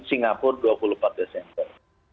singapura dua puluh empat desember